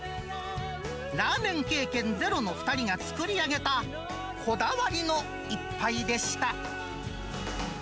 ラーメン経験ゼロの２人が作り上げたこだわりの一杯でした。